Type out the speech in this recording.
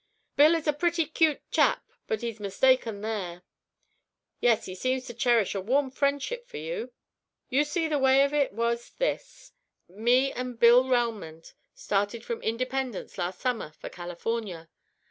"Bill is a pretty 'cute chap, but he's mistaken there." "Yes; he seemed to cherish a warm friendship for you." "You see the way of it was this: Me and Bill Relmond started from Independence last summer for California.